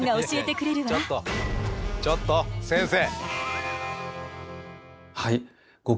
ちょっと先生。